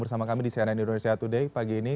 bersama kami di cnn indonesia today pagi ini